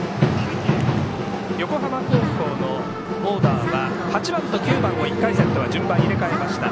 横浜高校のオーダーは８番と９番を１回戦とは順番入れ替えました。